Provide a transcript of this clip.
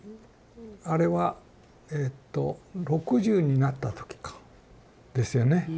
あれはえと６０になった時か。ですよね？